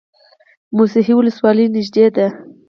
موسهي ولسوالۍ نږدې ده؟